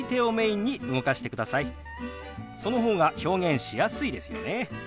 その方が表現しやすいですよね。